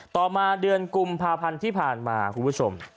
ต่อมาเดือนกุมภาพันธ์ที่ผ่านมาคุณผู้ชม